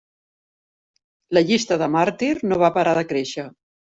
La llista de màrtir no va parar de créixer.